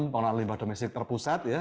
pengelolaan limbah domestik terpusat ya